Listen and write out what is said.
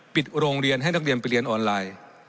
ปิดโรงเรียนให้นักเรียนไปเรียนออนไลน์